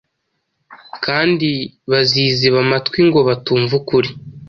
kandi baziziba amatwi ngo batumva ukuri,